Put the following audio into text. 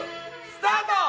スタート！